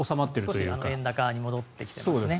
少し円高に戻ってきてますね。